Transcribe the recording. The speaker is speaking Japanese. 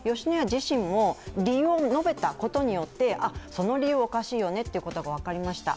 自身も理由を述べたことによって、その理由はおかしいよねということが分かりました。